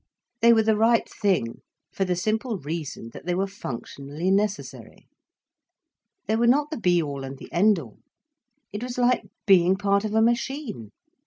They were the right thing, for the simple reason that they were functionally necessary. They were not the be all and the end all. It was like being part of a machine.